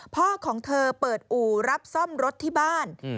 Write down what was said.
พ่อของเธอเปิดอู่รับซ่อมรถที่บ้าน